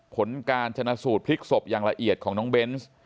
ผลการชนะสูตรพลิกศพอย่างละเอียดของน้องเบนส์